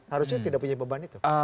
harusnya tidak punya beban itu